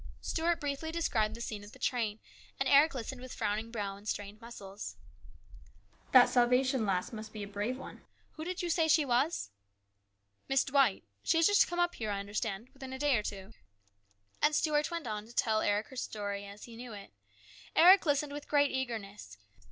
Stuart briefly described the scene at the train, and Eric listened with frowning brow and strained muscles. " That Salvation lass must be a brave one. Who did you say she was ?" "Miss Dwight. She has just come up here, I understand ; within a day or two." And Stuart went on to tell Eric her story as he knew it. Eric listened with great eagerness.